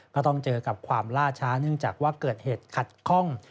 ก็ต้องเจอกับความล่าช้าเนื่องจากว่าเกิดเหตุขัดข้อง